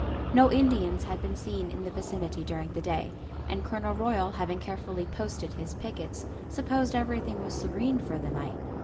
No Indians had been seen in the vicinity during the day, and Colonel Royal, having carefully posted his pickets, supposed everything was serene for the night.